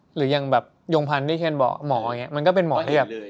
หรือยังแบบยงพันธุ์ที่แคนบอกหมออย่างนี้มันก็เป็นหมอที่แบบ